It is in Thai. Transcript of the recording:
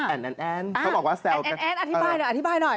แอนแอนแอนเขาบอกว่าแซวแอนแอนแอนอธิบายหน่อย